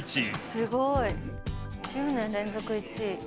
すごい１０年連続１位。